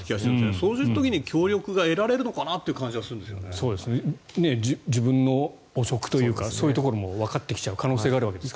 そうした時に協力が得られるのかなという自分の汚職というかそういうところもわかってきちゃう可能性がありますよね。